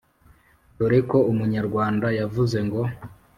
dore ko umunyarwanda yavuze ngo: